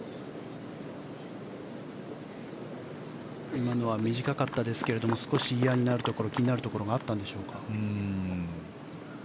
今のは短かったですけれども少し嫌になるところ気になるところがあったんでしょうか？